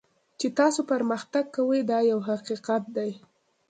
چې تاسو پرمختګ کوئ دا یو حقیقت دی.